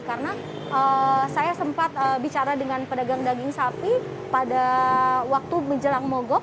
karena saya sempat bicara dengan pedagang daging sapi pada waktu menjelang mogok